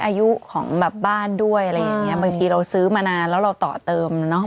อายุของแบบบ้านด้วยอะไรอย่างเงี้บางทีเราซื้อมานานแล้วเราต่อเติมเนอะ